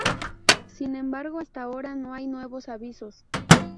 Sin embargo, hasta ahora no hay nuevos avisos.